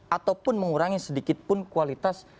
ataupun mengurangi sedikitpun kualitas